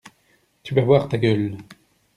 Tu vas voir ta gueule.